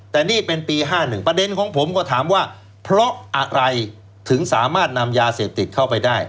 แต่นี่เป็นปี๕๑ประเด็นของผมก็ถามว่าเพราะอะไรถึงสามารถนำยาเสพติดเข้าไปได้